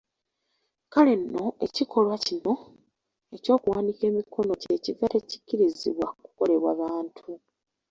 Kale nno ekikolwa kino eky’okuwanika emikono kye kiva tekikkirizibwa kukolebwa bantu.